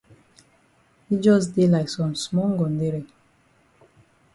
Yi jus dey like some small ngondere.